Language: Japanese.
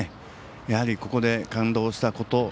やはりここで感動したこと。